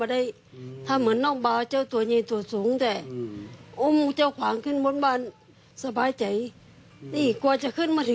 ค่ะสามีสี่เจ้าอุ้มเจ้าควางขึ้นบ้านมาเลย